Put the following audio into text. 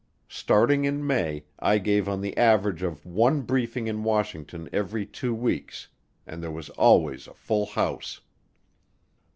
Starting in May, I gave on the average of one briefing in Washington every two weeks, and there was always a full house.